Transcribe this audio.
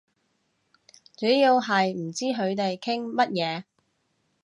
主要係唔知佢哋傾乜嘢